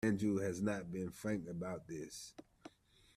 Andrew has not been frank about this.